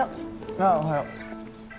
ああおはよう。